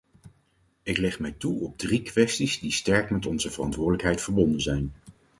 Ik leg mij toe op drie kwesties die sterk met onze verantwoordelijkheid verbonden zijn.